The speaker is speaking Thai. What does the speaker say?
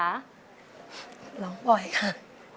ร้องบ่อยค่ะ